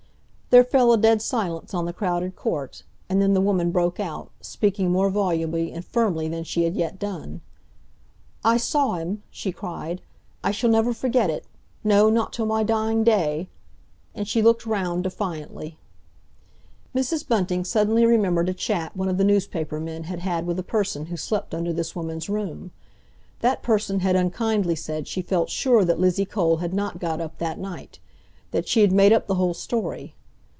There fell a dead silence on the crowded court. And then the woman broke out, speaking more volubly and firmly than she had yet done. "I saw 'im!" she cried. "I shall never forget it—no, not till my dying day!" And she looked round defiantly. Mrs. Bunting suddenly remembered a chat one of the newspaper men had had with a person who slept under this woman's room. That person had unkindly said she felt sure that Lizzie Cole had not got up that night—that she had made up the whole story.